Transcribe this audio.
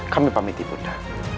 kami pamit ibu nda